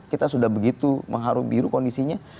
kita sudah begitu mengharu biru kondisinya